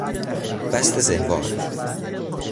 بست زهوار